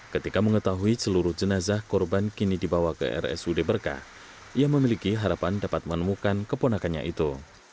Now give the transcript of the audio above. ketika mengetahui seluruh jenazah korban kini dibawa ke rsud berkah ia memiliki harapan dapat menemukan keponakannya itu